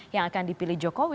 yang akan dipilih jokowi